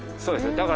そうですよ。